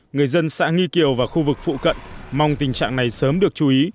người dân xã nghi kiều và khu vực phụ cận mong tình trạng này sớm được chú ý